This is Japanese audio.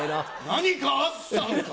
何かあったのか？